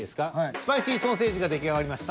スパイシ―ソ―セ―ジが出来上がりました。